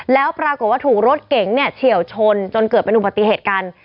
แล้วปรากฏว่าถูกรถเก๋งเนี่ยเฉียวชนจนเกิดเป็นอุบัติเหตุกัน